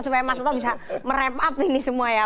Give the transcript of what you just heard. supaya mas toto bisa merep up ini semua ya